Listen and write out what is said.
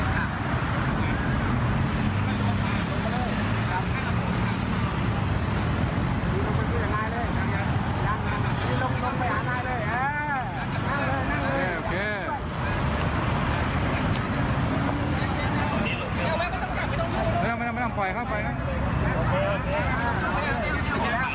ไม่ต้องปล่อย